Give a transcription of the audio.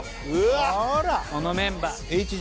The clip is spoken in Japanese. このメンバー。